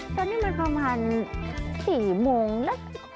ตอนนี้มันประมาณ๔โมงแล้ว